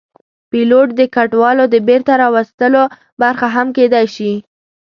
پیلوټ د کډوالو د بېرته راوستلو برخه هم کېدی شي.